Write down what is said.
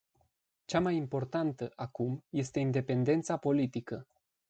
Cea mai importantă, acum, este independența politică.